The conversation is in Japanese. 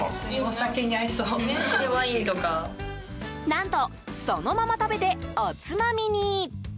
何とそのまま食べておつまみに。